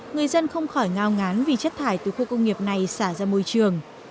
người dân không khỏi ngao ngán vì chất thải từ khu công nghiệp này xả ra môi trường